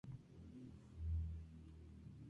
Kazushi Uchida